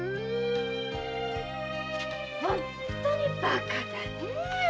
本当にバカだねぇ。